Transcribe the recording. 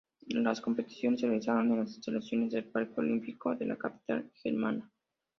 Las competiciones se realizaron en las instalaciones del Parque Olímpico de la capital germana.